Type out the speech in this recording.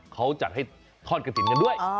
เขาจัดให้ทอดกระถิ่นกันด้วย